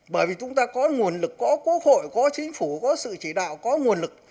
bởi vì chúng ta có nguồn lực có quốc hội có chính phủ có sự chỉ đạo có nguồn lực